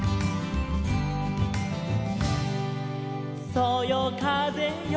「そよかぜよ